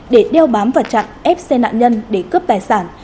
để đeo bám và chặn ép xe nạn nhân để cướp tài sản